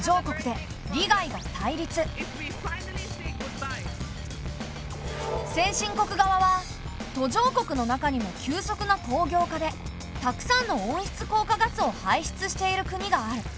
しかし先進国側は「途上国の中にも急速な工業化でたくさんの温室効果ガスを排出している国がある。